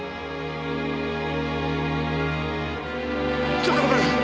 ちょっとごめんなさい！